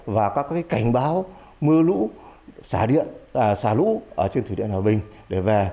và các cảnh báo mưa lũ xả lũ trên thủy điện hòa bình để về